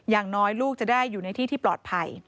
อย่างน้อยลูกจะได้อยู่ในที่ที่ปลอดภัย